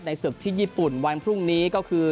ศึกที่ญี่ปุ่นวันพรุ่งนี้ก็คือ